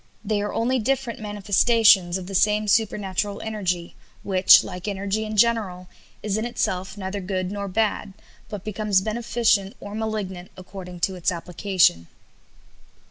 They are only different manifestations of the same supernatural energy, which, like energy in general, is in itself neither good nor bad, but becomes beneficent or malignant according to its application."